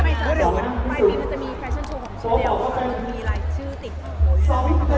ปลายปีมันจะมีแฟชั่นโชว์ของชูเดียว